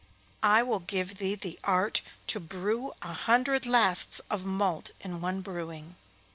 'I will give thee the art to brew a hundred lasts of malt in one brewing.